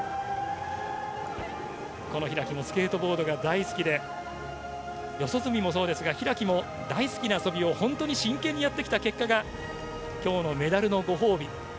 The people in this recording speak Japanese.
この開もスケートボードが大好きで、四十住もそうですが、開も、大好きな遊びを本当に真剣にやってきた結果が、きょうのメダルのご褒美。